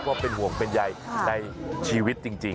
ว่าเป็นห่วงเป็นใยในชีวิตจริง